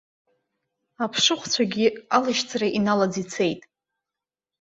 Аԥшыхәцәагьы алашьцара иналаӡ ицеит.